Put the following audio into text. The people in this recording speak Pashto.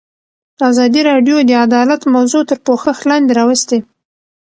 ازادي راډیو د عدالت موضوع تر پوښښ لاندې راوستې.